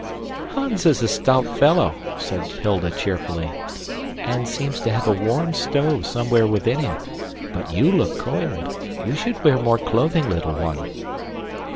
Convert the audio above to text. "Hans is a stout fellow," said Hilda cheerily, "and seems to have a warm stove somewhere within him, but YOU look cold. You should wear more clothing, little one."